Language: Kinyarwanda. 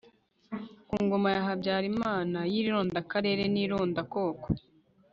ku ngoma ya habyarimana y'irondakarere n'irondakoko